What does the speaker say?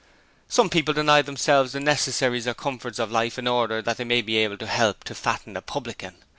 Some people deny themselves the necessaries or comforts of life in order that they may be able to help to fatten a publican.